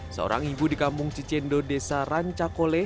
seorang ibu di kampung cicendo desa rancakole